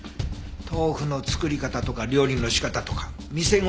豆腐の作り方とか料理の仕方とか店ごとに特色が出てるの。